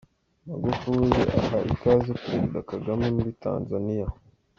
Magufuli aha ikaze Perezida Kagame muri Tanzania.